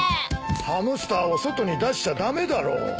ハムスターを外に出しちゃ駄目だろう。